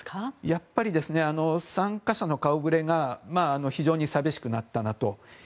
やっぱり参加者の顔ぶれが非常に寂しくなったなと。